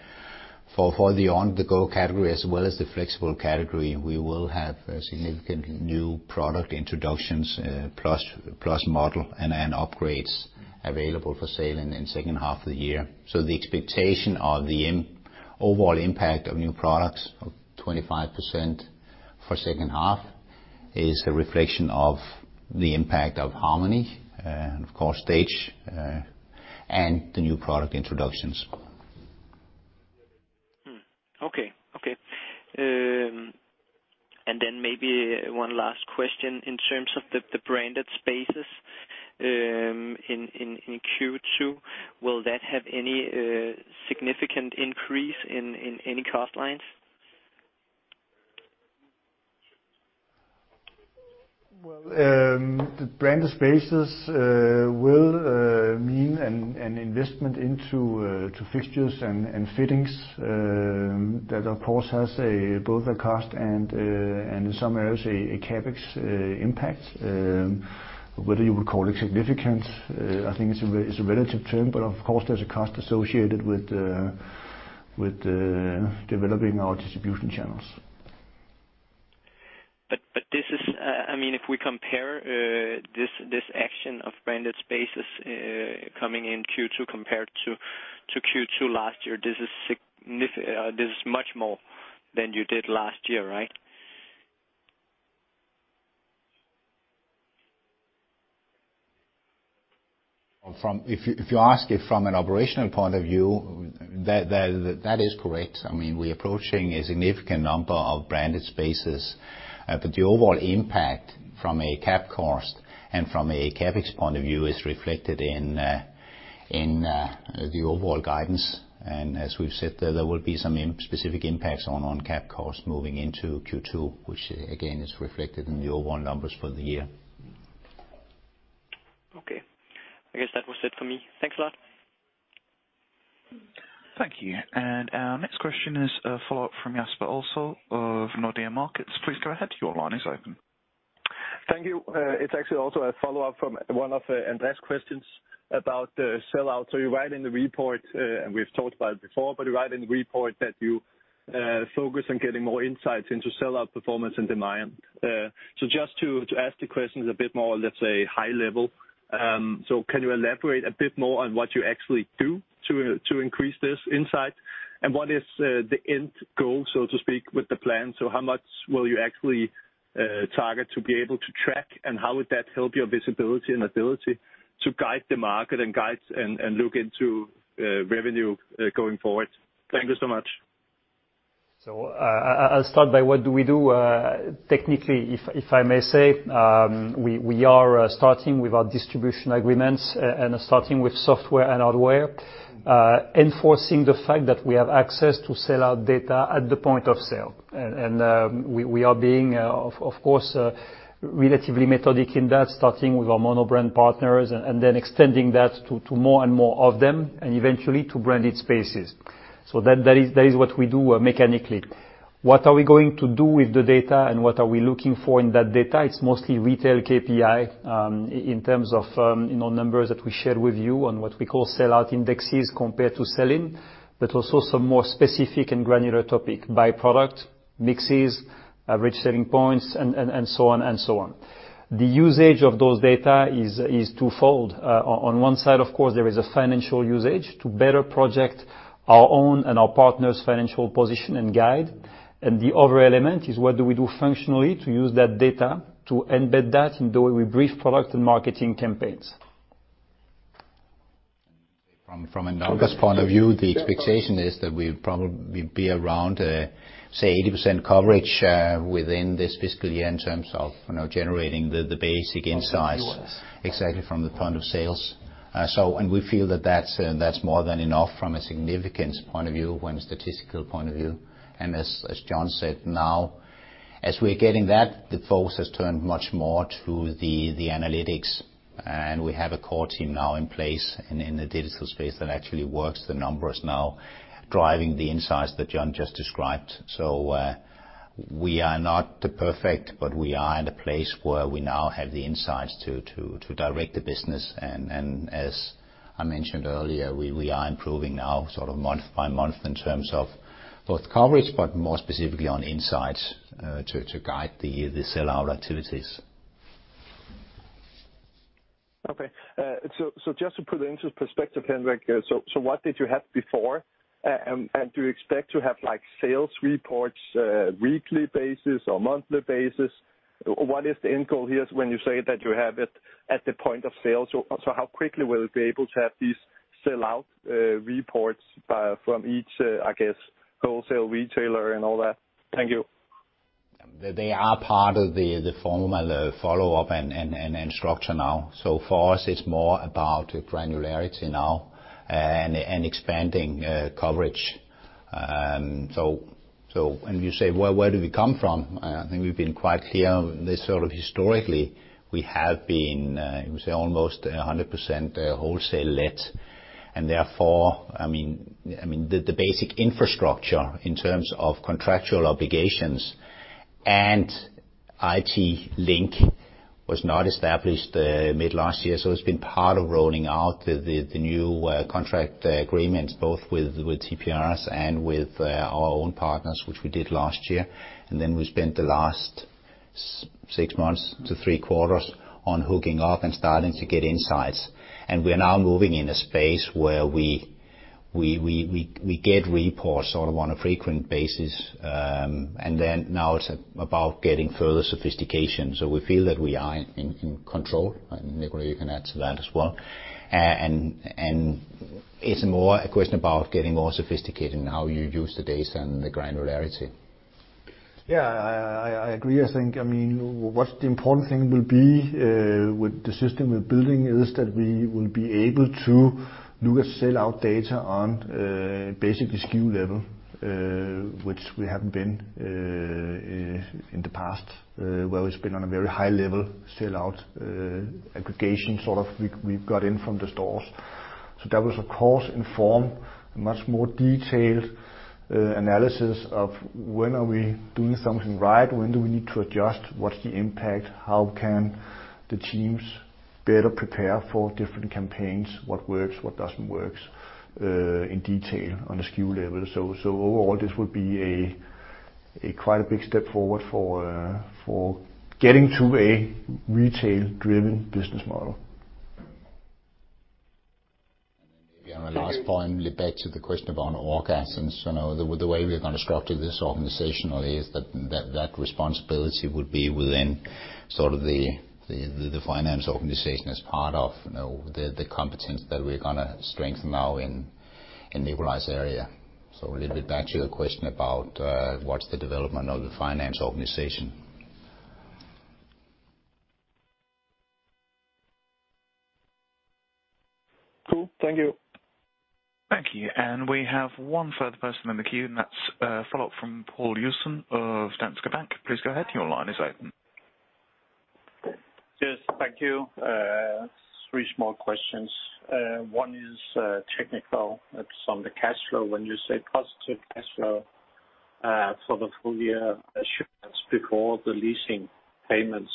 for the on-the-go category as well as the flexible category, we will have significant new product introductions plus model and upgrades available for sale in the second half of the year. So the expectation of the overall impact of new products, 25% for second half, is a reflection of the impact of Harmony and, of course, Stage and the new product introductions. Okay. And then maybe one last question. In terms of the branded spaces in Q2, will that have any significant increase in any cost lines? Well, the branded spaces will mean an investment into fixtures and fittings that, of course, has both a cost and, in some areas, a CapEx impact, whether you would call it significant. I think it's a relative term. But of course, there's a cost associated with developing our distribution channels. But this is, I mean, if we compare this action of branded spaces coming in Q2 compared to Q2 last year, this is much more than you did last year, right? If you ask it from an operational point of view, that is correct. I mean, we're approaching a significant number of branded spaces. But the overall impact from a CapEx cost and from a CapEx point of view is reflected in the overall guidance. And as we've said, there will be some specific impacts on CapEx costs moving into Q2, which, again, is reflected in the overall numbers for the year. Okay. I guess that was it for me. Thanks a lot. Thank you. And our next question is a follow-up from Jesper also of Nordea Markets. Please go ahead. Your line is open. Thank you. It's actually also a follow-up from one of Andreas' questions about the sell-out. So you write in the report and we've talked about it before. But you write in the report that you focus on getting more insights into sell-out performance and demand. So just to ask the questions a bit more, let's say, high-level, so can you elaborate a bit more on what you actually do to increase this insight? And what is the end goal, so to speak, with the plan? So how much will you actually target to be able to track? And how would that help your visibility and ability to guide the market and look into revenue going forward? Thank you so much. So I'll start by what do we do technically, if I may say. We are starting with our distribution agreements and starting with software and hardware, enforcing the fact that we have access to sell-out data at the point of sale. And we are being, of course, relatively methodical in that, starting with our monobrand partners and then extending that to more and more of them and eventually to branded spaces. So that is what we do mechanically. What are we going to do with the data? And what are we looking for in that data? It's mostly retail KPI in terms of numbers that we shared with you on what we call sell-out indexes compared to sell-in but also some more specific and granular topic: by product, mixes, average selling points, and so on and so on. The usage of those data is twofold. On one side, of course, there is a financial usage to better project our own and our partners' financial position and guide. And the other element is what do we do functionally to use that data to embed that in the way we brief product and marketing campaigns? From Andreas' point of view, the expectation is that we'd probably be around, say, 80% coverage within this fiscal year in terms of generating the basic insights exactly from the point of sales. And we feel that that's more than enough from a significance point of view, from a statistical point of view. And as John said, now, as we're getting that, the focus has turned much more to the analytics. And we have a core team now in place in the digital space that actually works the numbers now, driving the insights that John just described. So we are not perfect, but we are at a place where we now have the insights to direct the business. And as I mentioned earlier, we are improving now sort of month by month in terms of both coverage but more specifically on insights to guide the sell-out activities. Okay. So just to put it into perspective, Henrik, so what did you have before? And do you expect to have sales reports weekly basis or monthly basis? What is the end goal here when you say that you have it at the point of sale? So how quickly will we be able to have these sell-out reports from each, I guess, wholesale retailer and all that? Thank you. They are part of the formal follow-up and structure now. So for us, it's more about granularity now and expanding coverage. And you say, "Where do we come from?" I think we've been quite clear. This sort of historically, we have been, you say, almost 100% wholesale-led. And therefore, I mean, the basic infrastructure in terms of contractual obligations and IT link was not established mid-last year. So it's been part of rolling out the new contract agreements both with TPRs and with our own partners, which we did last year. And then we spent the last six months to three quarters on hooking up and starting to get insights. And we are now moving in a space where we get reports sort of on a frequent basis. And then now it's about getting further sophistication. So we feel that we are in control. And Nikolaj, you can add to that as well. And it's more a question about getting more sophisticated in how you use the data and the granularity. Yeah. I agree. I think, I mean, what the important thing will be with the system we're building is that we will be able to look at sell-out data on basically SKU level, which we haven't been in the past where we've been on a very high-level sell-out aggregation sort of we've got in from the stores. So that will, of course, inform a much more detailed analysis of when are we doing something right? When do we need to adjust? What's the impact? How can the teams better prepare for different campaigns? What works? What doesn't work in detail on a SKU level? So overall, this will be quite a big step forward for getting to a retail-driven business model. And then maybe on a last point, let's get back to the question about OEMs. So the way we're going to structure this organizationally is that that responsibility would be within sort of the finance organization as part of the competence that we're going to strengthen now in Nikolaj's area. So a little bit back to your question about what's the development of the finance organization. Cool. Thank you. Thank you. And we have one further person in the queue. And that's a follow-up from Poul Jessen of Danske Bank. Please go ahead. Your line is open. Yes. Thank you. Three small questions. One is technical. It's on the cash flow. When you say positive cash flow for the full year assuming before the leasing payments,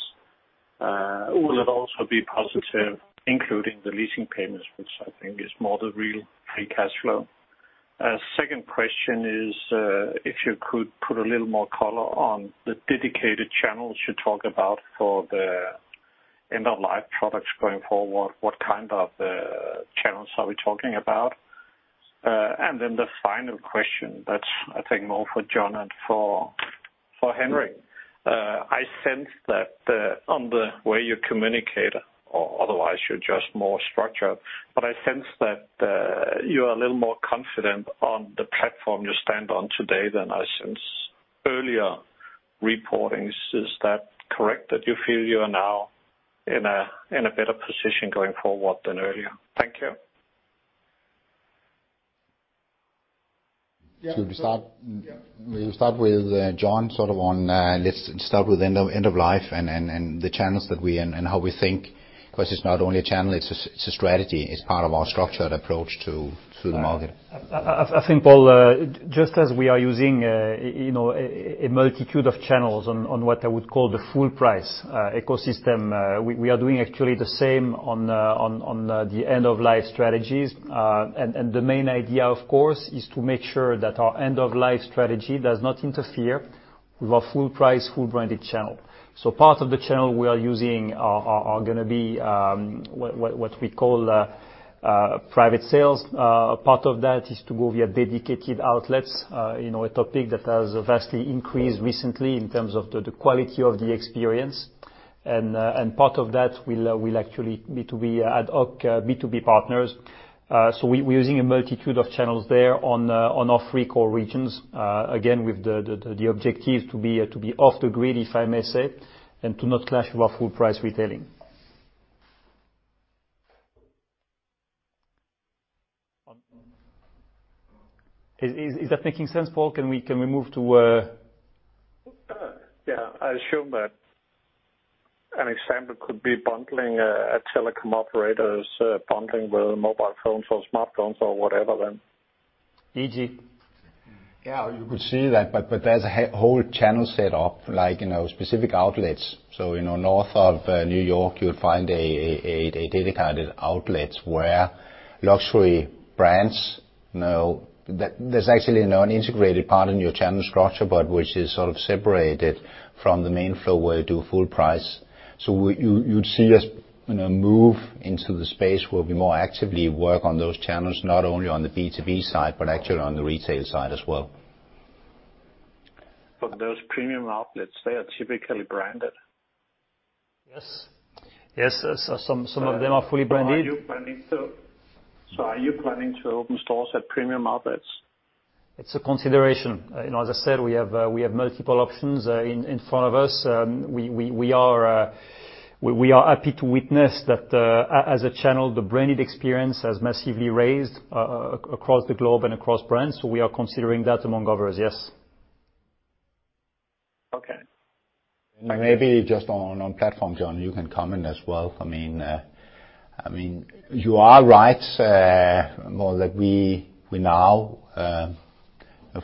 will it also be positive, including the leasing payments, which I think is more the real free cash flow? Second question is if you could put a little more color on the dedicated channels you talk about for the end-of-life products going forward, what kind of channels are we talking about? And then the final question, that's, I think, more for John and for Henrik. I sense that on the way you communicate or otherwise, you're just more structured. But I sense that you are a little more confident on the platform you stand on today than I sense earlier reporting. Is that correct that you feel you are now in a better position going forward than earlier? Thank you. Yeah. So if you start with John sort of on let's start with end-of-life and the channels that we and how we think because it's not only a channel. It's a strategy. It's part of our structured approach to the market. I think, Poul, just as we are using a multitude of channels on what I would call the full-price ecosystem, we are doing actually the same on the end-of-life strategies. The main idea, of course, is to make sure that our end-of-life strategy does not interfere with our full-price, full-branded channel. Part of the channel we are using are going to be what we call private sales. Part of that is to go via dedicated outlets, a topic that has vastly increased recently in terms of the quality of the experience. And part of that will actually be to be ad hoc B2B partners. So we're using a multitude of channels there on our three core regions, again, with the objective to be off the grid, if I may say, and to not clash with our full-price retailing. Is that making sense, Poul? Can we move to? Yeah. I assume that an example could be bundling telecom operators, bundling with mobile phones or smartphones or whatever then. Easy. Yeah. You could see that. But there's a whole channel set up, specific outlets. So north of New York, you'd find a dedicated outlet where luxury brands, there's actually an integrated part in your channel structure, but which is sort of separated from the main flow where you do full-price. So you'd see us move into the space where we more actively work on those channels, not only on the B2B side but actually on the retail side as well. But those premium outlets, they are typically branded. Yes. Yes. Some of them are fully branded. So are you planning to open stores at premium outlets? It's a consideration. As I said, we have multiple options in front of us. We are happy to witness that as a channel, the branded experience has massively risen across the globe and across brands. So we are considering that among others. Yes. Okay. And maybe just on platform, John, you can comment as well. I mean, you are right, Poul, that we now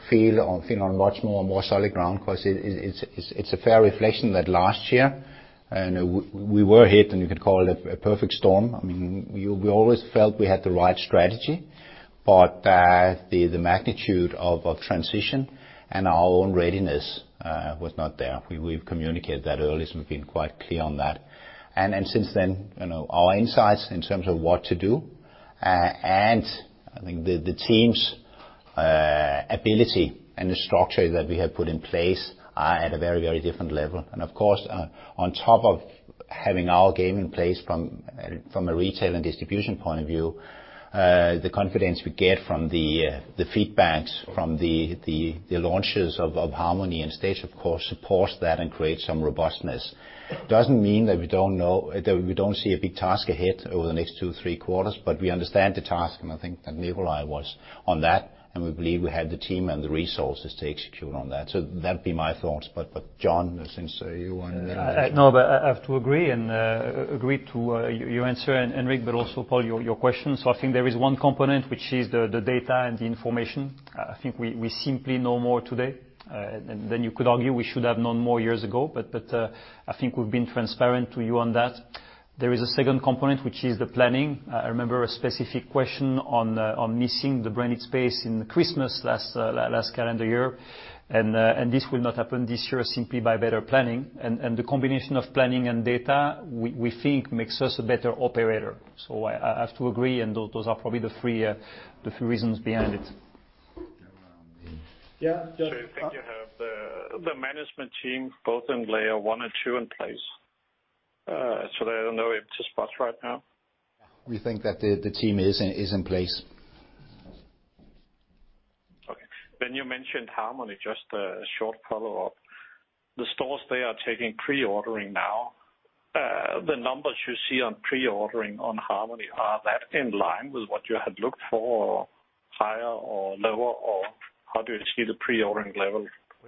feel on much more solid ground because it's a fair reflection that last year, we were hit, and you could call it a perfect storm. I mean, we always felt we had the right strategy. But the magnitude of transition and our own readiness was not there. We've communicated that early, so we've been quite clear on that. And since then, our insights in terms of what to do and, I think, the team's ability and the structure that we have put in place are at a very, very different level. Of course, on top of having our game in place from a retail and distribution point of view, the confidence we get from the feedbacks from the launches of Harmony & Stage, of course, supports that and creates some robustness. Doesn't mean that we don't know that we don't see a big task ahead over the next two, three quarters. But we understand the task. I think that Nikolaj was on that. We believe we have the team and the resources to execute on that. So that'd be my thoughts. But John, since you want to. No, but I have to agree and agree to your answer, Henrik, but also, Poul, your question. I think there is one component, which is the data and the information. I think we simply know more today. Then you could argue we should have known more years ago. I think we've been transparent to you on that. There is a second component, which is the planning. I remember a specific question on missing the branded space in Christmas last calendar year. This will not happen this year simply by better planning. The combination of planning and data, we think, makes us a better operator. I have to agree. Those are probably the three reasons behind it. Yeah. John. You think you have the management team, both in layer one and two, in place? I don't know if it's a spot right now. We think that the team is in place. Okay. You mentioned Harmony, just a short follow-up. The stores, they are taking pre-ordering now. The numbers you see on pre-ordering on Harmony, are that in line with what you had looked for, higher or lower? Or how do you see the pre-ordering level?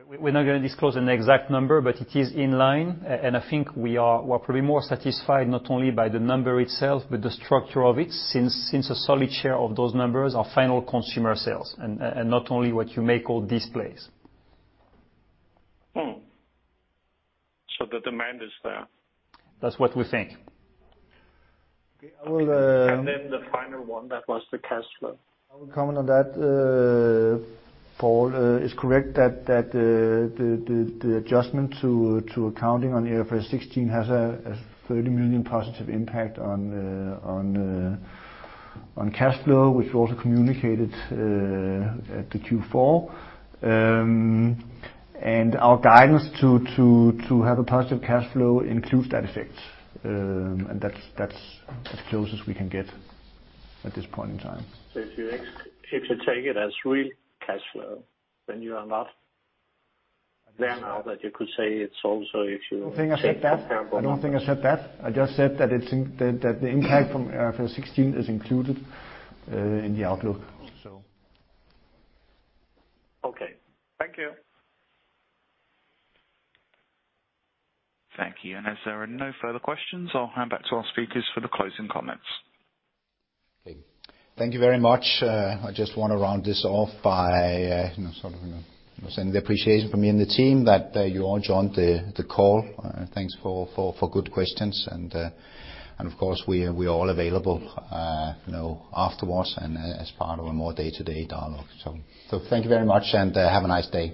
We're not going to disclose an exact number. But it is in line. And I think we are probably more satisfied not only by the number itself but the structure of it since a solid share of those numbers are final consumer sales and not only what you may call displays. So the demand is there. That's what we think. Okay. I will. And then the final one, that was the cash flow. I will comment on that, Poul. It's correct that the adjustment to accounting for IFRS 16 has a 30 million positive impact on cash flow, which we also communicated at the Q4. And our guidance to have a positive cash flow includes that effect. And that's as close as we can get at this point in time. So if you take it as real cash flow, then you are not there now that you could say it's also if you. I don't think I said that. I don't think I said that. I just said that the impact from IFRS 16 is included in the outlook, so. Okay. Thank you. Thank you. And as there are no further questions, I'll hand back to our speakers for the closing comments. Thank you very much. I just want to round this off by sort of sending the appreciation from me and the team that you all joined the call. Thanks for good questions. And of course, we are all available afterwards and as part of a more day-to-day dialogue. So thank you very much. And have a nice day.